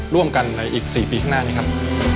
ร่วมกันในอีก๔ปีข้างหน้านี้ครับ